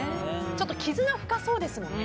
ちょっと絆が深そうですね。